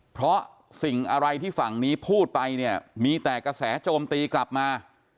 เพราะสิ่งอะไรที่ฝั่งนี้พูดไปเนี่ยมีแต่กระแสโจมตีกลับมา